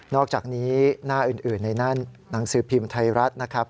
อกจากนี้หน้าอื่นในหน้าหนังสือพิมพ์ไทยรัฐนะครับ